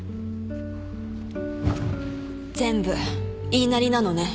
全部言いなりなのね。